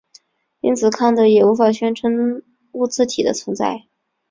因此康德也无法宣称物自体的存在。